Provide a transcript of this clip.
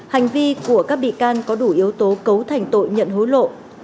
hành vi của các bị can có đủ yếu tố cấu thành tội nhận hối lộ